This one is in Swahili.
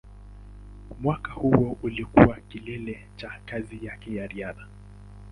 Mwaka huo ulikuwa kilele cha kazi yake ya riadha.